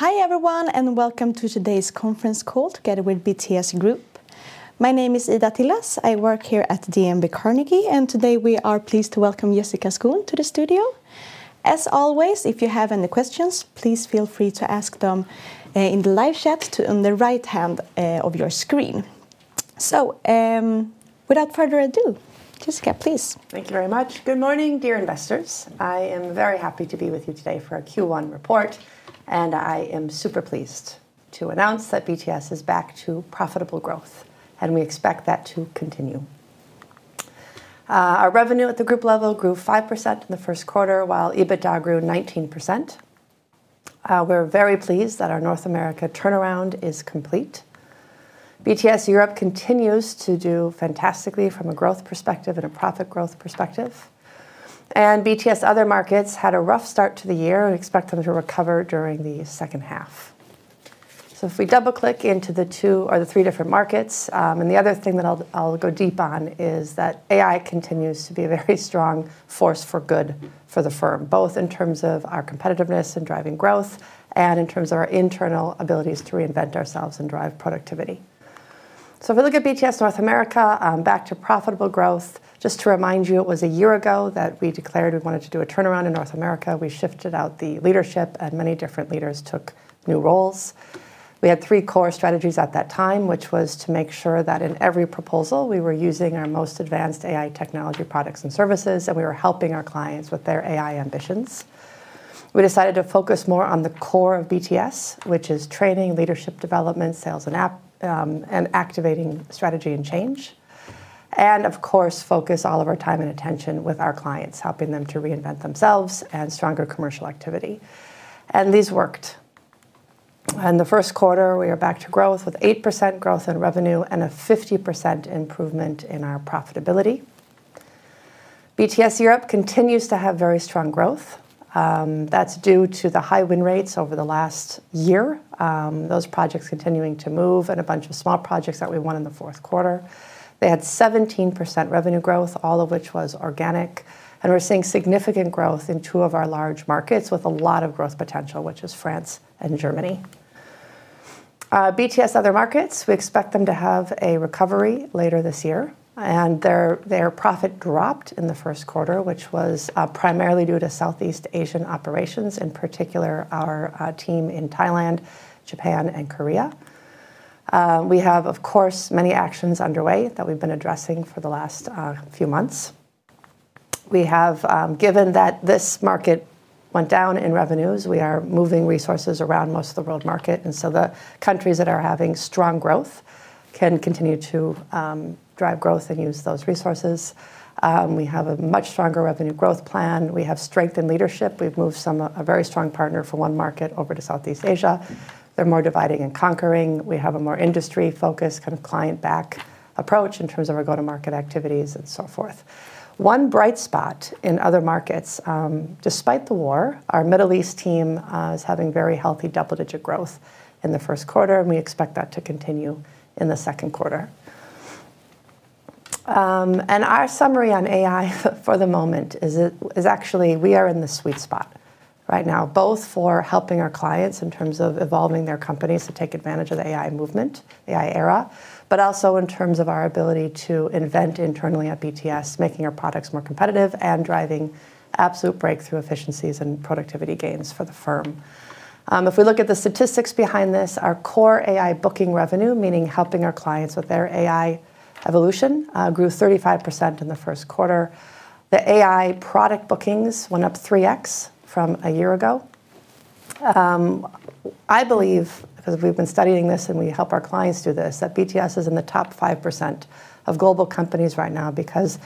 Hi, everyone, welcome to today's conference call together with BTS Group. My name is Ida Tillas. I work here at DNB Carnegie, and today we are pleased to welcome Jessica Skon to the studio. As always, if you have any questions, please feel free to ask them in the live chat on the right-hand of your screen. Without further ado, Jessica, please. Thank you very much. Good morning, dear investors. I am very happy to be with you today for our Q1 report. I am super pleased to announce that BTS is back to profitable growth. We expect that to continue. Our revenue at the group level grew 5% in the first quarter, while EBITDA grew 19%. We're very pleased that our North America turnaround is complete. BTS Europe continues to do fantastically from a growth perspective and a profit growth perspective. BTS Other Markets had a rough start to the year. We expect them to recover during the second half. If we double-click into the two or the three different markets, and the other thing that I'll go deep on is that AI continues to be a very strong force for good for the firm, both in terms of our competitiveness and driving growth and in terms of our internal abilities to reinvent ourselves and drive productivity. If we look at BTS North America, back to profitable growth. Just to remind you, it was a year ago that we declared we wanted to do a turnaround in North America. We shifted out the leadership, and many different leaders took new roles. We had three core strategies at that time, which was to make sure that in every proposal, we were using our most advanced AI technology products and services, and we were helping our clients with their AI ambitions. We decided to focus more on the core of BTS, which is training, leadership development, sales, and activating strategy and change. Of course, focus all of our time and attention with our clients, helping them to reinvent themselves and stronger commercial activity and these worked. In the first quarter, we are back to growth with 8% growth in revenue and a 50% improvement in our profitability. BTS Europe continues to have very strong growth. That's due to the high win rates over the last year, those projects continuing to move, and a bunch of small projects that we won in the fourth quarter. They had 17% revenue growth, all of which was organic, and we're seeing significant growth in two of our large markets with a lot of growth potential, which is France and Germany. BTS Other Markets, we expect them to have a recovery later this year. Their profit dropped in the first quarter, which was primarily due to Southeast Asian operations, in particular, our team in Thailand, Japan, and Korea. We have, of course, many actions underway that we've been addressing for the last few months. Given that this market went down in revenues, we are moving resources around most of the world market. The countries that are having strong growth can continue to drive growth and use those resources. We have a much stronger revenue growth plan. We have strengthened leadership. We've moved a very strong partner from one market over to Southeast Asia. They're more dividing and conquering. We have a more industry-focused, kind of client-back approach in terms of our go-to-market activities and so forth. One bright spot in Other Markets, despite the war, our Middle East team is having very healthy double-digit growth in the first quarter. We expect that to continue in the second quarter. Our summary on AI for the moment is actually we are in the sweet spot right now, both for helping our clients in terms of evolving their companies to take advantage of the AI movement, AI era. Also in terms of our ability to invent internally at BTS, making our products more competitive and driving absolute breakthrough efficiencies and productivity gains for the firm. If we look at the statistics behind this, our core AI booking revenue, meaning helping our clients with their AI evolution, grew 35% in the first quarter. The AI product bookings went up 3x from a year ago. I believe, as we've been studying this, and we help our clients do this, that BTS is in the top 5% of global companies right now, because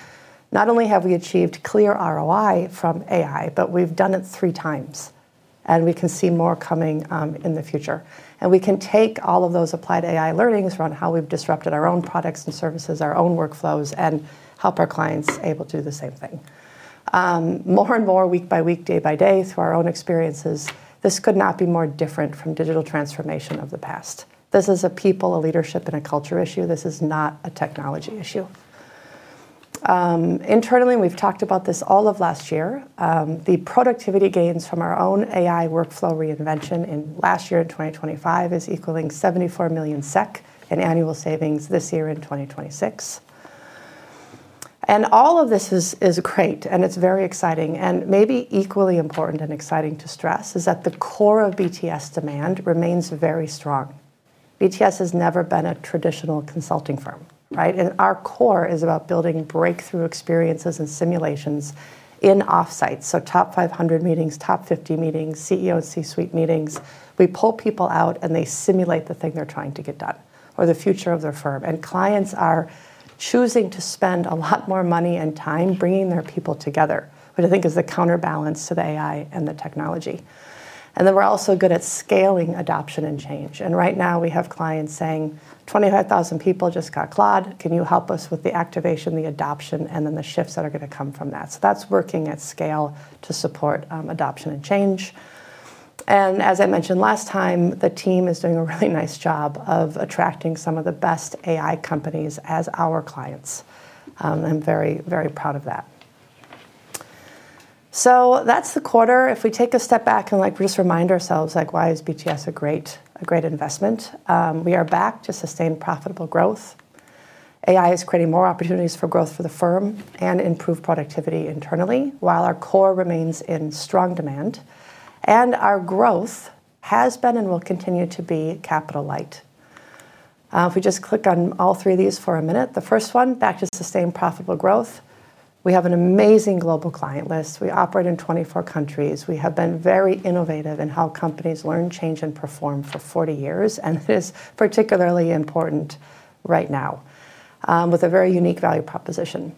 not only have we achieved clear ROI from AI, but we've done it 3x, and we can see more coming in the future. We can take all of those applied AI learnings around how we've disrupted our own products and services, our own workflows, and help our clients able to do the same thing. More and more, week by week, day by day, through our own experiences, this could not be more different from the digital transformation of the past. This is a people, a leadership, and a culture issue. This is not a technology issue. Internally, we've talked about this all of last year. The productivity gains from our own AI workflow reinvention in last year, 2025, is equaling 74 million SEK in annual savings this year in 2026. All of this is great, and it's very exciting, and maybe equally important and exciting to stress is that the core of BTS demand remains very strong. BTS has never been a traditional consulting firm, right? Our core is about building breakthrough experiences and simulations in offsite. Top 500 meetings, top 50 meetings, CEO C-suite meetings. We pull people out, and they simulate the thing they're trying to get done or the future of their firm. Clients are choosing to spend a lot more money and time bringing their people together, which I think is the counterbalance to the AI and the technology. We're also good at scaling adoption and change. Right now, we have clients saying, "25,000 people just got Claude. Can you help us with the activation, the adoption, and then the shifts that are going to come from that?" That's working at scale to support adoption and change. As I mentioned last time, the team is doing a really nice job of attracting some of the best AI companies as our clients. I'm very proud of that. That's the quarter. If we take a step back and just remind ourselves why is BTS a great investment. We are back to sustained profitable growth. AI is creating more opportunities for growth for the firm and improved productivity internally, while our core remains in strong demand. Our growth has been and will continue to be capital light. If we just click on all three of these for a minute. The first one, back to sustained profitable growth. We have an amazing global client list. We operate in 24 countries. We have been very innovative in how companies learn, change, and perform for 40 years, and it is particularly important right now with a very unique value proposition.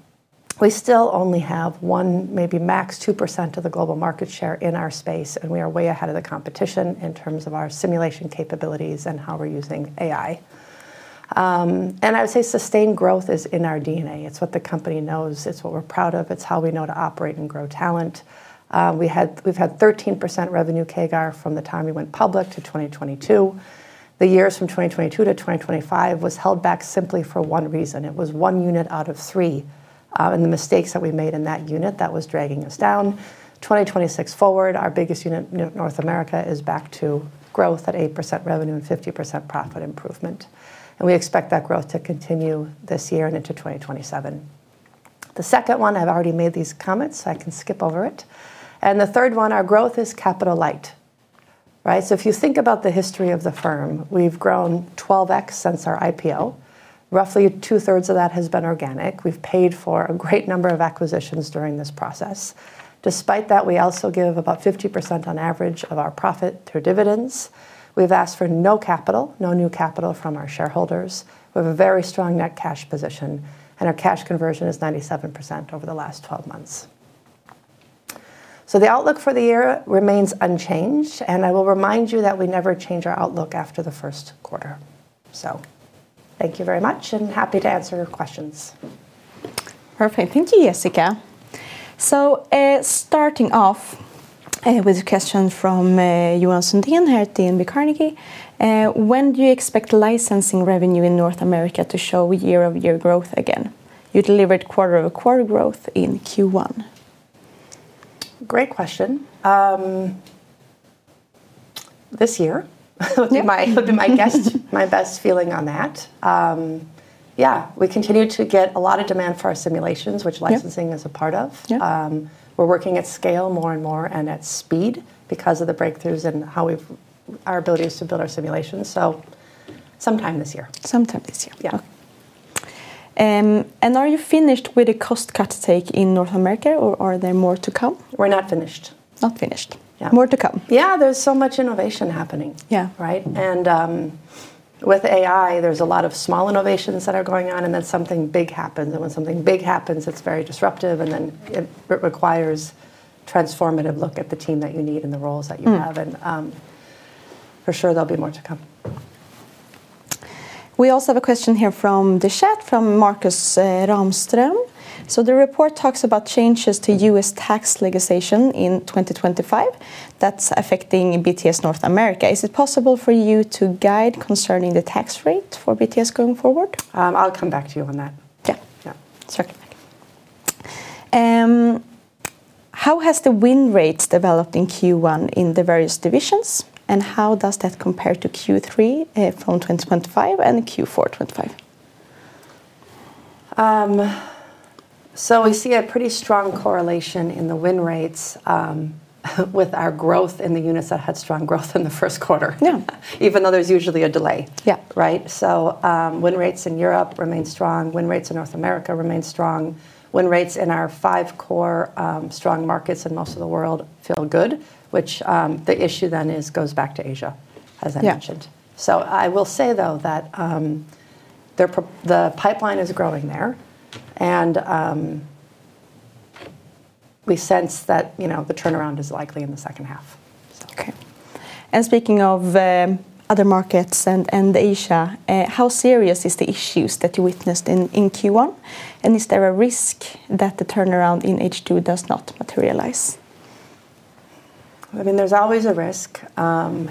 We still only have 1%, maybe max 2% of the global market share in our space, and we are way ahead of the competition in terms of our simulation capabilities and how we're using AI. I would say sustained growth is in our DNA. It's what the company knows. It's what we're proud of. It's how we know to operate and grow talent. We've had 13% revenue CAGR from the time we went public to 2022. The years from 2022 to 2025 was held back simply for one reason. It was one unit out of three, and the mistakes that we made in that unit, that was dragging us down. 2026 forward, our biggest unit, BTS North America, is back to growth at 8% revenue and 50% profit improvement. We expect that growth to continue this year and into 2027. The second one, I've already made these comments, so I can skip over it. The third one, our growth is capital light. If you think about the history of the firm, we've grown 12x since our IPO. Roughly 2/3 of that has been organic. We've paid for a great number of acquisitions during this process. Despite that, we also give about 50% on average of our profit through dividends. We've asked for no capital, no new capital from our shareholders. We have a very strong net cash position, and our cash conversion is 97% over the last 12 months. The outlook for the year remains unchanged, and I will remind you that we never change our outlook after the first quarter. Thank you very much and happy to answer your questions. Perfect. Thank you, Jessica. Starting off with a question from Johan Sundén here at DNB Carnegie. When do you expect licensing revenue in North America to show year-over-year growth again? You delivered quarter-over-quarter growth in Q1. Great question. This year would be my best feeling on that. Yeah, we continue to get a lot of demand for our simulations, which licensing is a part of. Yeah. We're working at scale more and more and at speed because of the breakthroughs in our abilities to build our simulations sometime this year. Sometime this year. Yeah. Are you finished with the cost cut take in North America or are there more to come? We're not finished. Not finished. Yeah. More to come. Yeah. There's so much innovation happening. Yeah. Right? With AI, there's a lot of small innovations that are going on, and then something big happens. When something big happens, it's very disruptive, and then it requires transformative look at the team that you need and the roles that you have. For sure, there'll be more to come. We also have a question here from the chat from Markus Ramström. The report talks about changes to U.S. tax legislation in 2025 that's affecting BTS North America. Is it possible for you to guide concerning the tax rate for BTS going forward? I'll come back to you on that. Yeah. Yeah. Certainly. How has the win rate developed in Q1 in the various divisions, and how does that compare to Q3 from 2025 and Q4 2025? We see a pretty strong correlation in the win rates with our growth in the units that had strong growth in the first quarter. Yeah. Even though there's usually a delay. Yeah. Right? Win rates in Europe remain strong. Win rates in North America remain strong. Win rates in our five core, strong markets in most of the world feel good, which the issue then is, goes back to Asia, as I mentioned. Yeah. I will say, though, that the pipeline is growing there, and we sense that the turnaround is likely in the second half. Okay. Speaking of Other Markets and Asia, how serious is the issues that you witnessed in Q1, and is there a risk that the turnaround in H2 does not materialize? There's always a risk.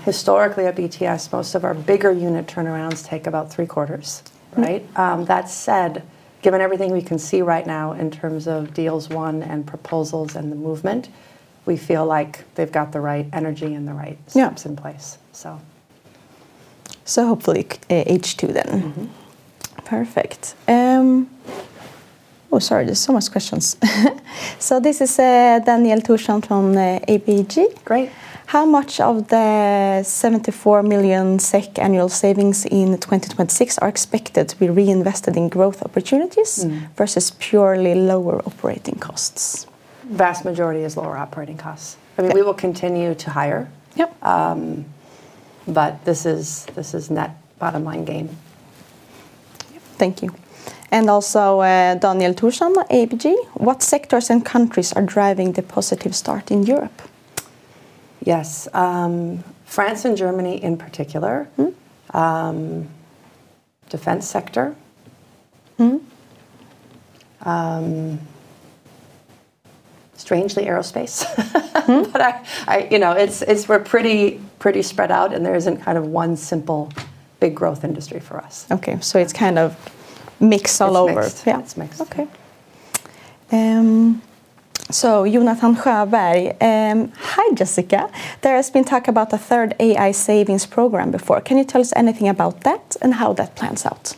Historically at BTS, most of our bigger unit turnarounds take about three quarters. Right. That said, given everything we can see right now in terms of deals won and proposals and the movement, we feel like they've got the right energy and the right steps in place. Hopefully H2, then. Perfect. Oh, sorry. There's so much questions. This is Daniel Thorsson from ABG. Great. How much of the 74 million SEK annual savings in 2026 are expected to be reinvested in growth opportunities versus purely lower operating costs? Vast majority is lower operating costs. Okay. We will continue to hire. Yep. This is net bottom line gain. Thank you. Also Daniel Thorsson, ABG. What sectors and countries are driving the positive start in Europe? Yes. France and Germany in particular. Defense sector. Strangely, aerospace. We're pretty spread out, and there isn't one simple, big growth industry for us. Okay. It's mix all over. It's mixed. Okay. Jonathan Sjöberg. "Hi, Jessica. There has been talk about a third AI savings program before. Can you tell us anything about that and how that plans out?"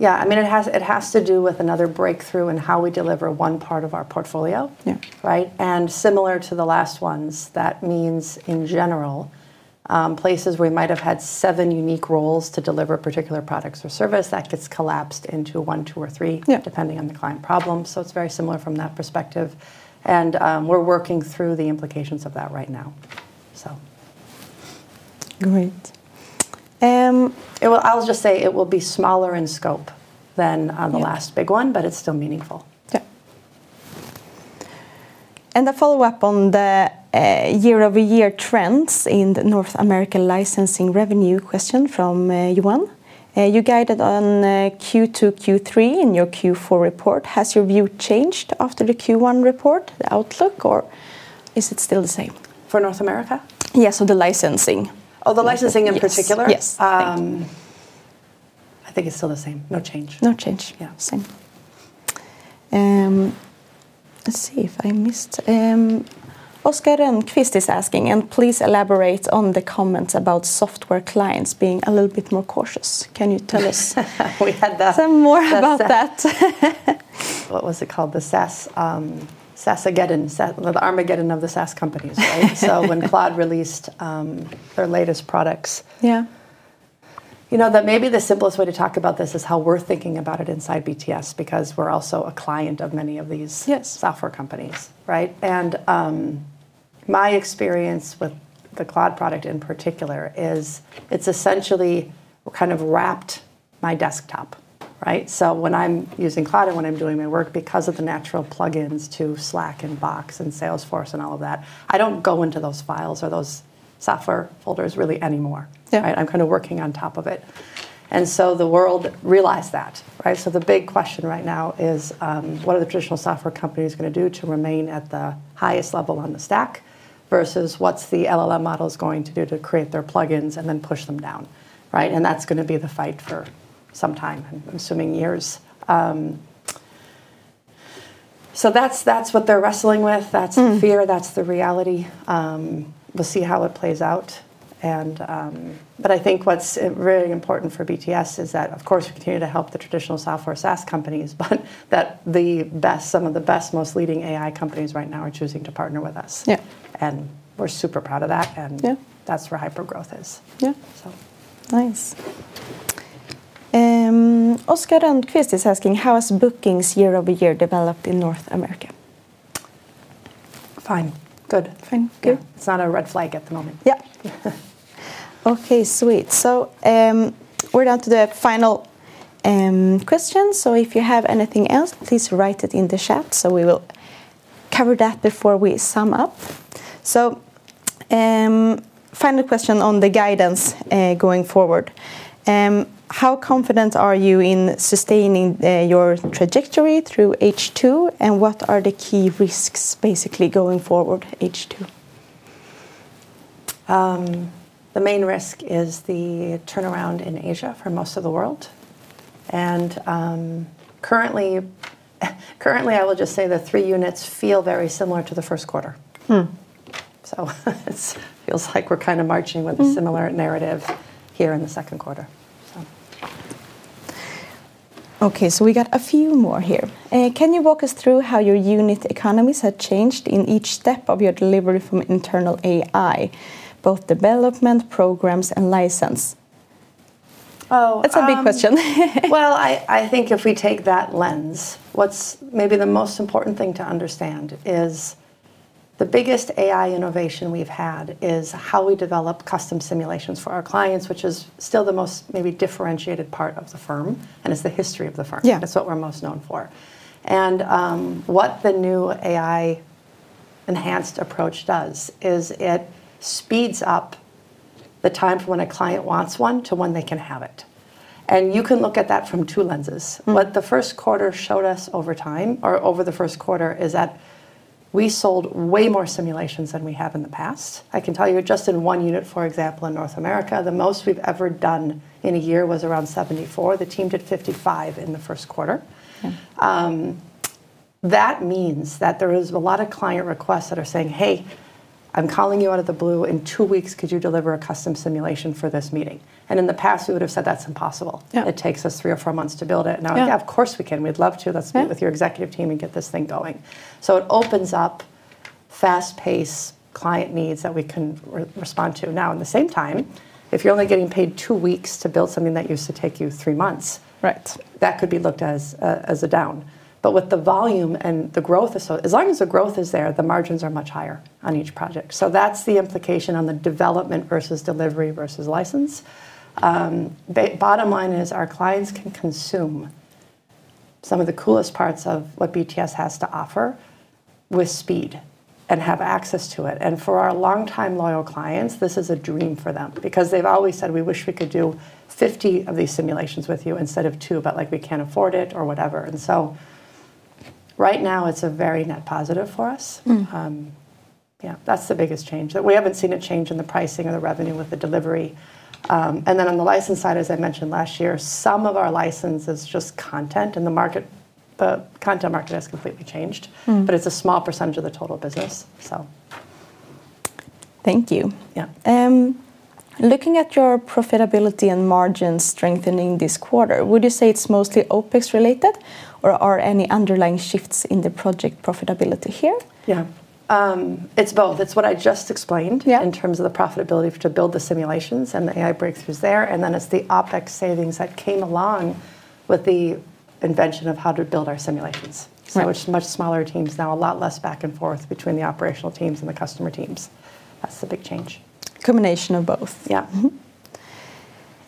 Yeah. It has to do with another breakthrough in how we deliver one part of our portfolio. Yeah. Right? Similar to the last ones, that means, in general, places where we might have had seven unique roles to deliver particular products or service, that gets collapsed into one, two, or three. Yeah. Depending on the client problem. It's very similar from that perspective. We're working through the implications of that right now. Great. I'll just say it will be smaller in scope than the last big one, but it's still meaningful. Yeah. A follow-up on the year-over-year trends in the North American licensing revenue question from Johan. You guided on Q2, Q3 in your Q4 report. Has your view changed after the Q1 report, the outlook, or is it still the same? For North America? Yeah. The licensing. Oh, the licensing in particular? Yes. I think it is still the same. No change. No change. Yeah. Same. Let's see if I missed Oscar Rönnkvist is asking, "And please elaborate on the comment about software clients being a little bit more cautious." Can you tell us- We had the- Some more about that? What was it called? The SaaSmageddon, the Armageddon of the SaaS companies, right? When Claude released their latest products. Yeah. Maybe the simplest way to talk about this is how we're thinking about it inside BTS because we're also a client of many of these software companies, right? My experience with the Claude product, in particular, is it's essentially kind of wrapped my desktop, right? When I'm using Claude and when I'm doing my work, because of the natural plug-ins to Slack and Box and Salesforce and all of that, I don't go into those files or those software folders really anymore. Yeah. Right? I'm kind of working on top of it. The world realized that, right? The big question right now is, what are the traditional software companies going to do to remain at the highest level on the stack versus what's the LLM models going to do to create their plug-ins and then push them down. That's going to be the fight for some time, I'm assuming years. That's what they're wrestling with. That's the fear. That's the reality. We'll see how it plays out. I think what's really important for BTS is that, of course, we continue to help the traditional software SaaS companies, but that some of the best, most leading AI companies right now are choosing to partner with us. Yeah. We're super proud of that. Yeah. That's where hyper growth is. Yeah. Nice. Oscar Rönnkvist is asking, "How has bookings year-over-year developed in North America? Fine. Good. Fine. Good. Yeah. It's not a red flag at the moment. Yeah. Okay, sweet. We're down to the final question, so if you have anything else, please write it in the chat so we will cover that before we sum up. Final question on the guidance, going forward. How confident are you in sustaining your trajectory through H2, and what are the key risks basically going forward H2? The main risk is the turnaround in Asia for most of the world. Currently, I will just say the three units feel very similar to the first quarter. It feels like we're kind of marching with a similar narrative here in the second quarter. Okay, we got a few more here. Can you walk us through how your unit economies have changed in each step of your delivery from internal AI, both development programs and license? Oh. It's a big question. Well, I think if we take that lens, what's maybe the most important thing to understand is the biggest AI innovation we've had is how we develop custom simulations for our clients, which is still the most maybe differentiated part of the firm and is the history of the firm. Yeah. That's what we're most known for. What the new AI-enhanced approach does is it speeds up the time from when a client wants one to when they can have it. You can look at that from two lenses. What the first quarter showed us over time, or over the first quarter, is that we sold way more simulations than we have in the past. I can tell you just in one unit, for example, in North America, the most we've ever done in a year was around 74. The team did 55 in the first quarter. Yeah. That means that there is a lot of client requests that are saying, "Hey, I'm calling you out of the blue. In two weeks, could you deliver a custom simulation for this meeting?" In the past, we would've said, "That's impossible. It takes us three or four months to build it." Now, "Yeah, of course, we can. We'd love to. Let's meet with your executive team and get this thing going." It opens up fast pace client needs that we can respond to now. At the same time, if you're only getting paid two weeks to build something that used to take you three months. Right. That could be looked at as a down. With the volume and the growth, as long as the growth is there, the margins are much higher on each project. That's the implication on the development versus delivery versus license. The bottom line is our clients can consume some of the coolest parts of what BTS has to offer with speed and have access to it. For our longtime loyal clients, this is a dream for them because they've always said, "We wish we could do 50 of these simulations with you instead of two, but we can't afford it or whatever." Right now it's a very net positive for us. Yeah, that's the biggest change. That we haven't seen a change in the pricing or the revenue with the delivery. On the licensed side, as I mentioned last year, some of our license is just content, and the content market has completely changed. It's a small percentage of the total business. Thank you. Yeah. Looking at your profitability and margins strengthening this quarter, would you say it's mostly OpEx related, or are any underlying shifts in the project profitability here? Yeah. It's both. It's what I just explained. In terms of the profitability to build the simulations and the AI breakthroughs there, it's the OpEx savings that came along with the invention of how to build our simulations. Right. It's much smaller teams now, a lot less back and forth between the operational teams and the customer teams. That's the big change. Combination of both.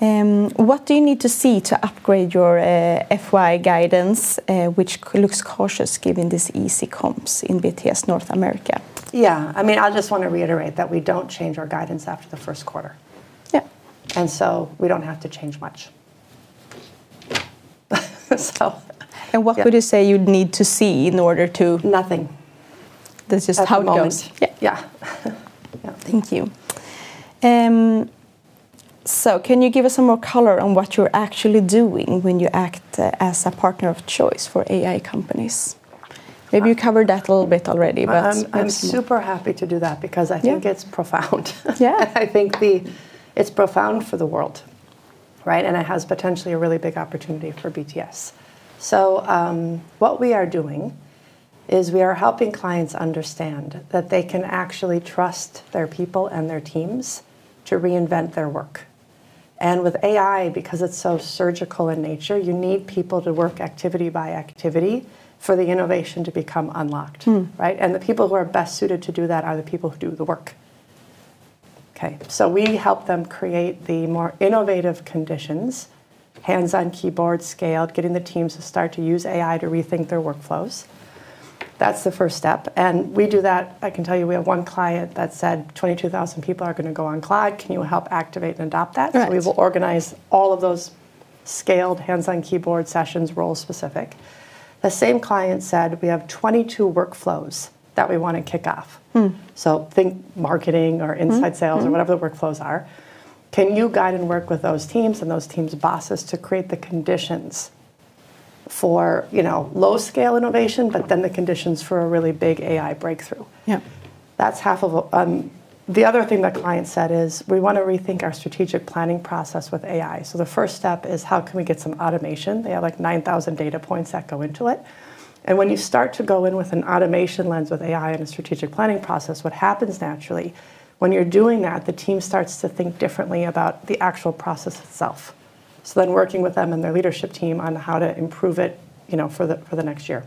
Yeah. Mm-hmm. What do you need to see to upgrade your FY guidance, which looks cautious given this easy comps in BTS North America? Yeah, I mean, I just want to reiterate that we don't change our guidance after the first quarter. We don't have to change much. Yeah. What would you say you'd need to see in order to- Nothing. This is how it goes. At the moment. Yeah. Yeah. Yeah. Thank you. Can you give us some more color on what you're actually doing when you act as a partner of choice for AI companies? Maybe you covered that a little bit already. I'm super happy to do that because I think it's profound. Yeah. I think it's profound for the world, right? It has potentially a really big opportunity for BTS. What we are doing is we are helping clients understand that they can actually trust their people and their teams to reinvent their work. With AI, because it's so surgical in nature, you need people to work activity by activity for the innovation to become unlocked. Right? The people who are best suited to do that are the people who do the work. Okay. We help them create the more innovative conditions, hands-on-keyboard scaled, getting the teams to start to use AI to rethink their workflows. That's the first step. We do that. I can tell you, we have one client that said, "22,000 people are going to go on Claude. Can you help activate and adopt that? We will organize all of those scaled hands-on-keyboard sessions, role-specific." The same client said, "We have 22 workflows that we want to kick off. Think marketing or inside sales or whatever the workflows are. Can you guide and work with those teams and those teams' bosses to create the conditions for low scale innovation, but then the conditions for a really big AI breakthrough?" Yeah. The other thing the client said is, "We want to rethink our strategic planning process with AI." The first step is how can we get some automation. They have like 9,000 data points that go into it. When you start to go in with an automation lens with AI and a strategic planning process, what happens naturally, when you're doing that, the team starts to think differently about the actual process itself. Working with them and their leadership team on how to improve it for the next year.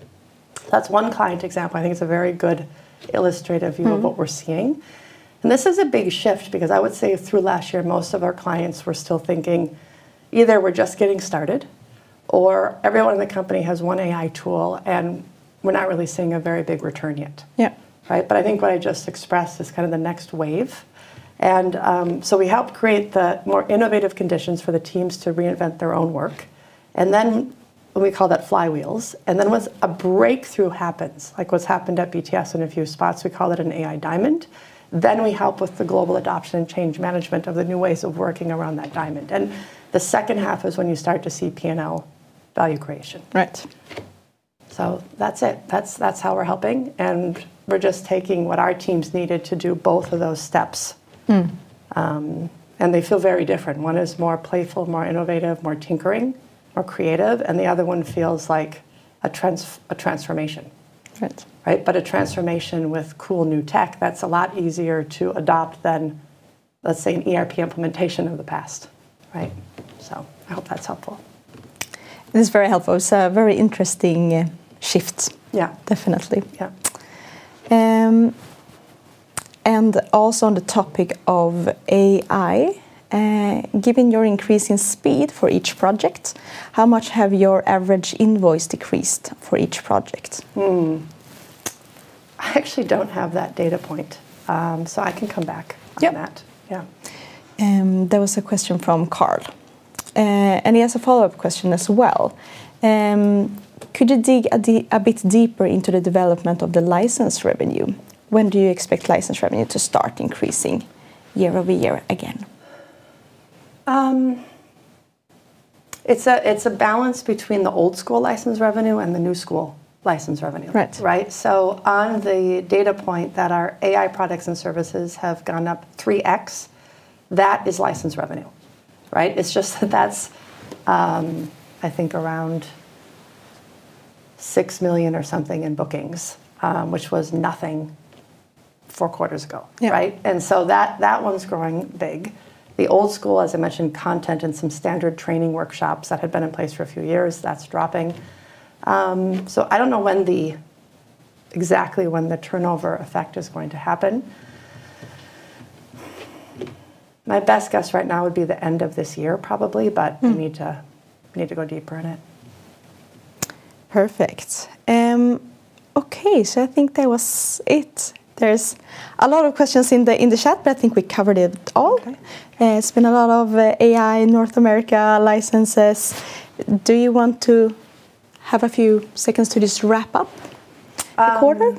That's one client example. I think it's a very good illustrative view of what we're seeing. This is a big shift because I would say through last year, most of our clients were still thinking either we're just getting started or everyone in the company has one AI tool, and we're not really seeing a very big return yet. Yeah. Right? I think what I just expressed is kind of the next wave. We help create the more innovative conditions for the teams to reinvent their own work, and then we call that flywheels. Once a breakthrough happens, like what's happened at BTS in a few spots, we call it an AI diamond, then we help with the global adoption and change management of the new ways of working around that diamond. The second half is when you start to see P&L value creation. Right. That's it. That's how we're helping, and we're just taking what our teams needed to do both of those steps. They feel very different. One is more playful, more innovative, more tinkering, more creative, and the other one feels like a transformation. Right. Right? A transformation with cool new tech that's a lot easier to adopt than, let's say, an ERP implementation of the past, right? I hope that's helpful. It is very helpful. It's a very interesting shift. Yeah. Definitely. Yeah. Also on the topic of AI, given your increase in speed for each project, how much have your average invoice decreased for each project? I actually don't have that data point, so I can come back on that. Yeah. Yeah. There was a question from Carl. He has a follow-up question as well. Could you dig a bit deeper into the development of the license revenue? When do you expect license revenue to start increasing year-over-year again? It's a balance between the old school license revenue and the new school license revenue. Right. Right? On the data point that our AI products and services have gone up 3x, that is license revenue, right? It's just that that's I think around 6 million or something in bookings, which was nothing four quarters ago, right? Yeah. That one's growing big. The old school, as I mentioned, content and some standard training workshops that had been in place for a few years, that's dropping. I don't know exactly when the turnover effect is going to happen. My best guess right now would be the end of this year probably, but we need to go deeper in it. Perfect. Okay. I think that was it. There's a lot of questions in the chat, but I think we covered it all. Okay. It's been a lot of AI, North America, licenses. Do you want to have a few seconds to just wrap up the quarter?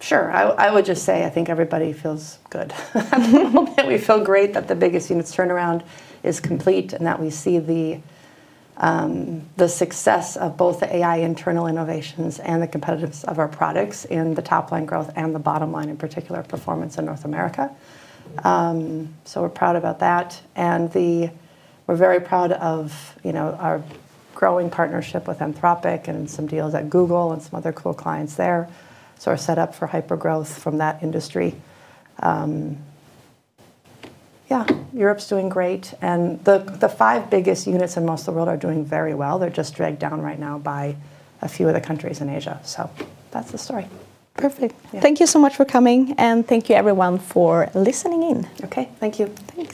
Sure. I would just say I think everybody feels good. We feel great that the biggest unit's turnaround is complete, and that we see the success of both the AI internal innovations and the competitiveness of our products in the top line growth and the bottom line, in particular, performance in North America. We're proud about that, and we're very proud of our growing partnership with Anthropic and some deals at Google and some other cool clients there. We're set up for hypergrowth from that industry. Yeah, Europe's doing great, and the five biggest units in most of the world are doing very well. They're just dragged down right now by a few of the countries in Asia. That's the story. Perfect. Yeah. Thank you so much for coming, and thank you everyone for listening in. Okay. Thank you. Thanks.